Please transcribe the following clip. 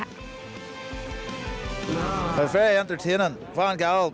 เรียนได้เจอกันรู้สึกว่าจะต้องกลับมา